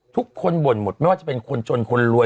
บ่นหมดไม่ว่าจะเป็นคนจนคนรวย